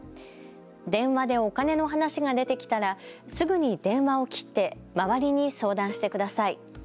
電話でお金の話が出てきたらすぐに電話を切って周りに相談してください。